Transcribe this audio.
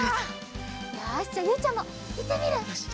よしじゃあゆいちゃんもいってみる？